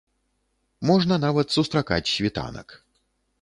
Можна нават сустракаць світанак.